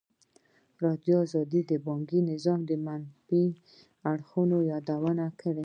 ازادي راډیو د بانکي نظام د منفي اړخونو یادونه کړې.